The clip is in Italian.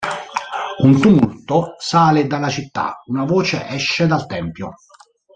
Un tumulto sale dalla città, una voce esce dal Tempio!